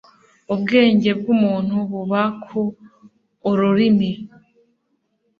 Ubwenge bw' umuntu buba ku ururimi